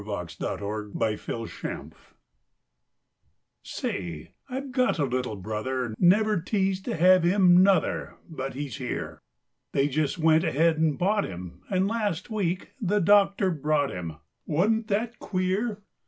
HIS NEW BROTHER Say, I've got a little brother, Never teased to have him, nuther, But he's here; They just went ahead and bought him, And, last week the doctor brought him, Wa'n't that queer?